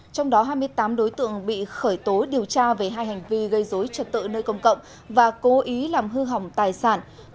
trong đó hai mươi tám đối tượng bị khởi tố điều tra về hai hành vi gây dối trật tự nơi công cộng và cố ý làm hư hỏng tài sản